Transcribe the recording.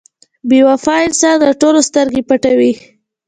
• بې وفا انسان له ټولو سترګې پټوي.